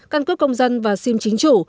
căn cướp công dân và sim chính chủ